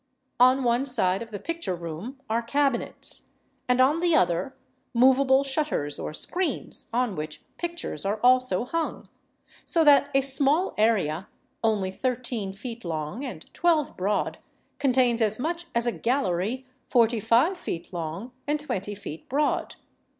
On one side of the picture room are cabinets, and on the other movable shutters or screens, on which pictures are also hung; so that a small area, only thirteen feet long and twelve broad, contains as much as a gallery forty five feet long and twenty feet broad.